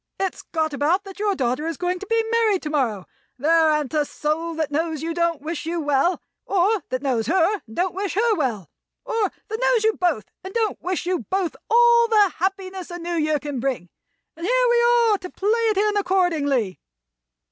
It's got about that your daughter is going to be married to morrow. There an't a soul that knows you that don't wish you well, or that knows her and don't wish her well. Or that knows you both and don't wish you both all the happiness the New Year can bring. And here we are, to play it in accordingly."